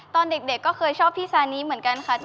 ตอนเด็กก็เคยชอบที่ซานิเหมือนกันค่ะ